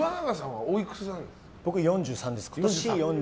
僕４３です。